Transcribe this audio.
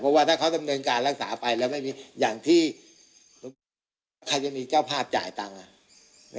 เพราะว่าถ้าเขาดำเนินการรักษาไปแล้วไม่มีอย่างที่ผมบอกว่าใครจะมีเจ้าภาพจ่ายตังค์